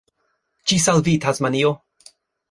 Ĝis al vi, Tasmanio!